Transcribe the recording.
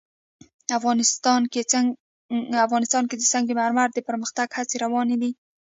افغانستان کې د سنگ مرمر د پرمختګ هڅې روانې دي.